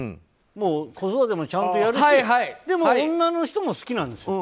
子育てもちゃんとやるしでも、女の人も好きなんですよ。